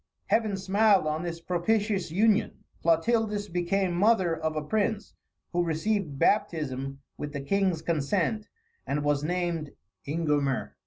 Heaven smiled on this propitious union; Clotildis became mother of a prince, who received baptism with the king's consent, and was named Ingomer.